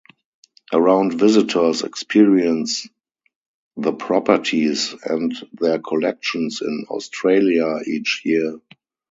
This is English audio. Around visitors experience the properties and their collections in Australia each year.